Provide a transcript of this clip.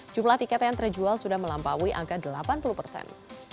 jumlah tiket yang terjual sudah melampaui angka delapan puluh persen